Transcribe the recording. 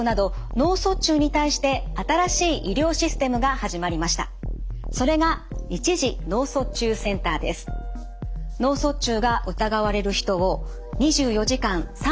脳卒中が疑われる人を２４時間・３６５日